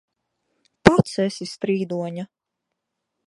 Pats esi strīdoņa!